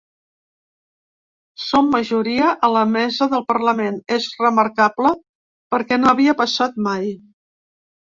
Som majoria a la mesa del parlament; és remarcable perquè no havia passat mai.